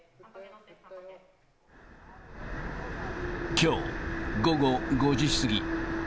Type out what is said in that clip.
きょう午後５時過ぎ。